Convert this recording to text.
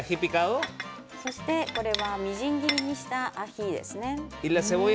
そしてみじん切りにしたアヒですね。